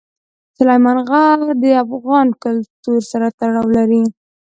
سلیمان غر د افغان کلتور سره تړاو لري.